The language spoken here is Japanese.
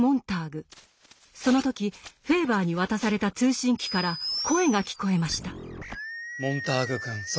その時フェーバーに渡された通信機から声が聞こえました。